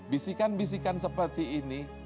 bisikan bisikan seperti ini